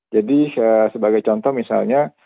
jadi sebagai contoh misalnya